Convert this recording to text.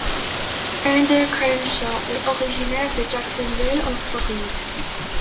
Ander Crenshaw est originaire de Jacksonville en Floride.